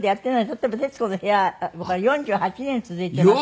例えば『徹子の部屋』４８年続いていますから。